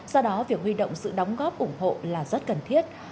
do đó việc huy động sự đóng góp ủng hộ là rất cần thiết